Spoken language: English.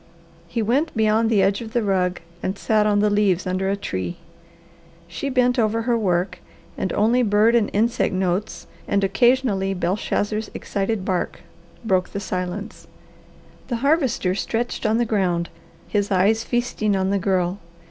He went beyond the edge of the rug and sat on the leaves under a tree. She bent over her work and only bird and insect notes and occasionally Belshazzar's excited bark broke the silence. The Harvester stretched on the ground, his eyes feasting on the Girl.